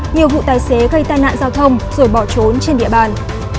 nhiều vụ tài xế gây tai nạn giao thông rồi bỏ trốn trên địa bàn